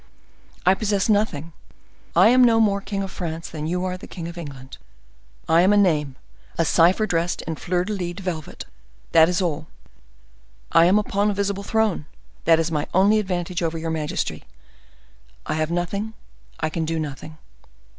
I possess nothing. I am no more king of France than you are king of England. I am a name, a cipher dressed in fleur de lised velvet,—that is all. I am upon a visible throne; that is my only advantage over your majesty. I have nothing—I can do nothing."